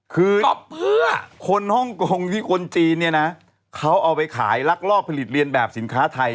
คือคนฮ่องกงที่คนจีนเนี่ยนะเขาเอาไปขายลักลอบผลิตเรียนแบบสินค้าไทย